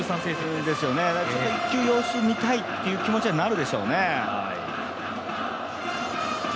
１球、様子を見たいという感じにはなるでしょうね。